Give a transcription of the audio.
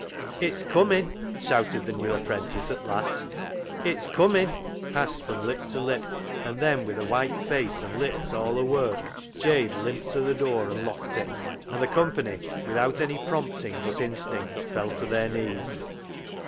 " It's cummin'," shouted the new apprentice at last. " It's cummin'," passed from lip to lip, and then with a white face and lips all awork, Jabe limped to the door and locked it, and the company, without any prompting but instinct, fell to their knees.